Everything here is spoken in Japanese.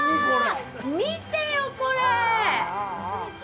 見てよ、これ。